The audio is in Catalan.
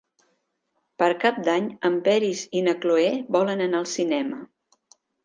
Per Cap d'Any en Peris i na Cloè volen anar al cinema.